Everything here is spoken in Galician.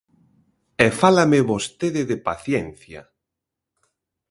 E fálame vostede de paciencia.